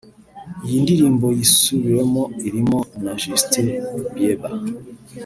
Iyi ndirimbo yasubiwemo irimo na Justin Bieber